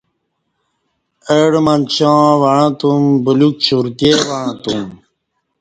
اہ ڈہ منچاں وعݩہ تُم بلیوک چرتیں وعݩہ تُم